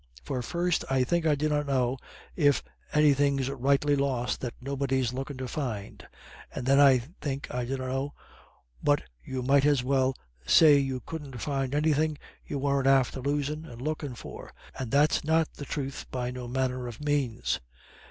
For first I think I dunno if anythin's rightly lost that nobody's lookin' to find, and then I think I dunno but you might as well say you couldn't find anythin' you weren't after losin' and lookin' for, and that's not the truth be no manner of manes."